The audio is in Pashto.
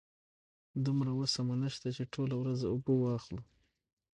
دومره وسه مو نشته چې ټوله ورځ اوبه واخلو.